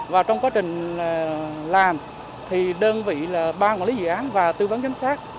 và trong quá trình làm thì đơn vị là ba quản lý dự án và tư vấn chăm sát